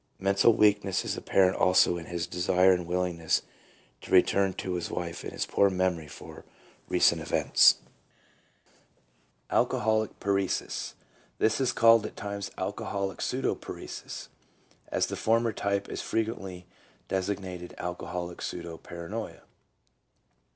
Mental weak ness is apparent also in his desire and willingness to return to his wife, and his poor memory for recent events. Alcoholic Paresis. — This is called at times Alcoholic Pseudo paresis, as the former type is frequently de signated Alcoholic Pseudo paranoia.